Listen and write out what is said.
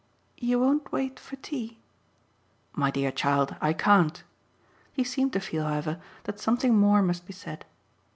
"You won't wait for tea?" "My dear child, I can't." He seemed to feel, however, that something more must be said.